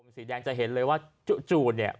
สีแดงจะเห็นเลยว่าจู่เนี่ย